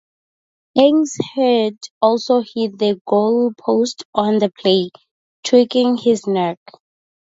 Ainge's head also hit the goalpost on the play, tweaking his neck.